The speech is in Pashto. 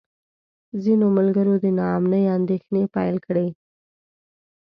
ځینو ملګرو د نا امنۍ اندېښنې پیل کړې.